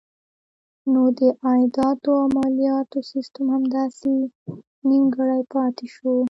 نو د عایداتو او مالیاتو سیسټم همداسې نیمګړی پاتې شو.